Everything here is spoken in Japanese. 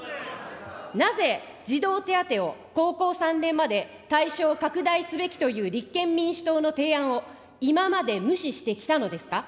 なぜ児童手当を高校３年まで対象拡大すべきという立憲民主党の提案を、今まで無視してきたのですか。